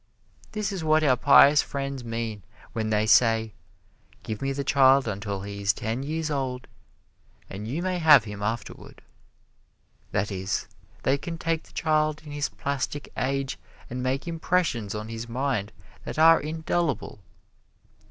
This is what our pious friends mean when they say, "Give me the child until he is ten years old and you may have him afterward." That is, they can take the child in his plastic age and make impressions on his mind that are indelible.